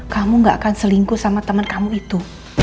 kamu gak akan selingkuh sama temen kamu itu